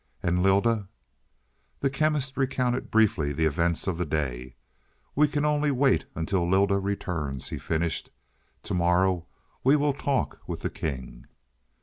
"And Lylda?" The Chemist recounted briefly the events of the day. "We can only wait until Lylda returns," he finished. "To morrow we will talk with the king."